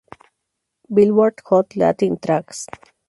Billboard Hot Latin Tracks.